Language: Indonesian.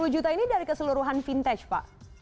tiga puluh juta ini dari keseluruhan vintage pak